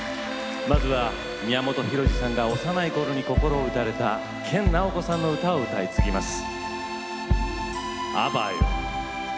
まずは、宮本浩次さんが幼いころに心打たれた研ナオコさんの歌を歌い継ぎます。